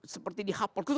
seperti di hapol